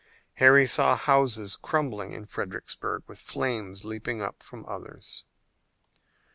Harry saw houses crumbling in Fredericksburg, with flames leaping up from others.